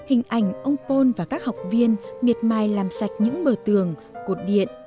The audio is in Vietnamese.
hình ảnh ông pol và các học viên miệt mai làm sạch những mở tường cột điện